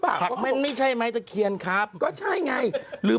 พลิกต๊อกเต็มเสนอหมดเลยพลิกต๊อกเต็มเสนอหมดเลย